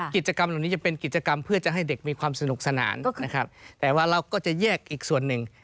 กิจกรรมเหล่านี้จะเป็นกิจกรรมเพื่อจะให้เด็กมีความสนุกสนานนะครับแต่ว่าเราก็จะแยกอีกส่วนหนึ่ง